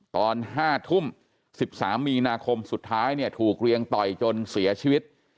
ตอน๕ทุ่ม๑๓มีนาคมสุดท้ายเนี่ยถูกเรียงต่อยจนเสียชีวิต